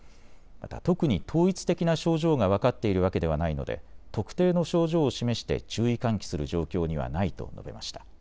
また特に統一的な症状が分かっているわけではないので特定の症状を示して注意喚起する状況にはないと述べました。